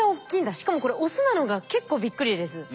しかもこれオスなのが結構びっくりです。